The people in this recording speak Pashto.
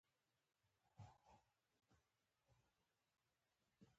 د زنګونونو د توروالي لپاره باید څه شی وکاروم؟